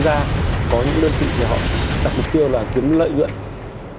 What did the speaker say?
thế ra có những đơn vị thì họ đặt mục tiêu là kiếm lợi lượng